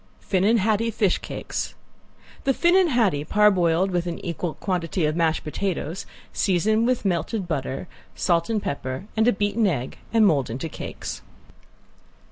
~FINNAN HADDIE FISH CAKES~ The finnan haddie parboiled with an equal quantity of mashed potatoes, season with melted butter, salt and pepper, add a beaten egg, and mold into cakes.